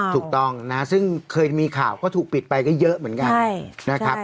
ถูกต้องนะซึ่งเคยมีข่าวก็ถูกปิดไปก็เยอะเหมือนกันนะครับ